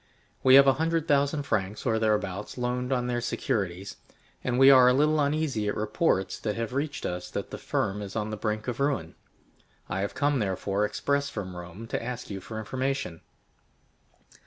We have a hundred thousand francs or thereabouts loaned on their securities, and we are a little uneasy at reports that have reached us that the firm is on the brink of ruin. I have come, therefore, express from Rome, to ask you for information."